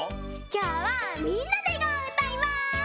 きょうは「みんなでゴー！」をうたいます！